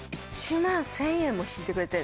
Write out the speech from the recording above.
１万１０００円も引いてくれて。